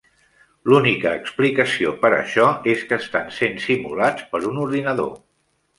L'única explicació per a això és que estan sent simulats per un ordinador.